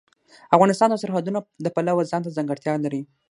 افغانستان د سرحدونه د پلوه ځانته ځانګړتیا لري.